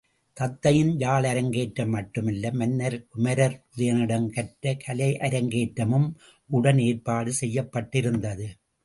தத்தையின் யாழரங்கேற்றம் மட்டுமல்ல மன்ன குமரர் உதயணனிடம் கற்ற கலையரங்கேற்றமும் உடன் ஏற்பாடு செய்யப்பட்டிருந்தது.